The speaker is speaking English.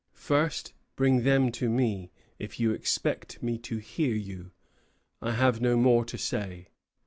First bring them to me, if you expect me to hear you. I have no more to say."